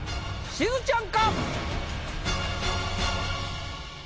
しずちゃん！